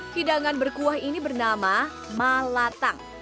hidangan berkuah ini bernama malatang